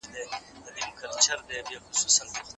املا د زده کړي ګټوره برخه ده.